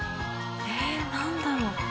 えっ何だろう？